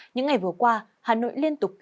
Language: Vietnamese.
những ngày vừa qua hà nội lúc đầu tiên đánh dịch bệnh